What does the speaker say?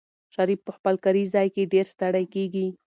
شریف په خپل کاري ځای کې ډېر ستړی کېږي.